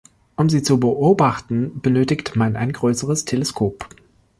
Um sie zu beobachten, benötigt man ein größeres Teleskop.